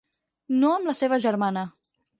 No amb la seva germana.